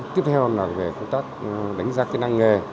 tiếp theo là về công tác đánh giá kỹ năng nghề